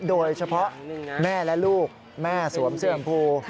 โดยเฉพาะแม่และลูกแม่สวมเสื้อชมพู